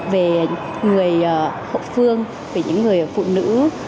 về người hậu phương về những người phụ nữ